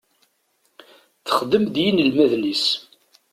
Texdem d yinelmaden-is.